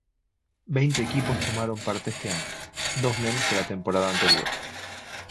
Veinte equipos tomaron parte este año, dos menos que la temporada anterior.